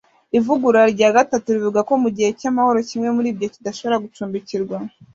Ivugurura rya gatatu rivuga ko mu gihe cy’amahoro, kimwe muri ibyo kidashobora gucumbikirwa